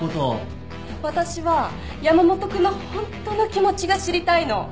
私は山本君のホントの気持ちが知りたいの。